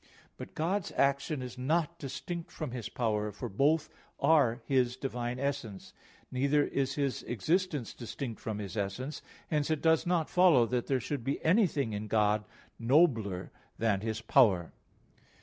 But God's action is not distinct from His power, for both are His divine essence; neither is His existence distinct from His essence. Hence it does not follow that there should be anything in God nobler than His power.